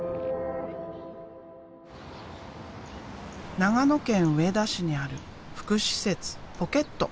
長野県上田市にある福祉施設「ぽけっと」。